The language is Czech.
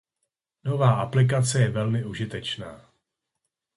Nová aplikace je velmi užitečná.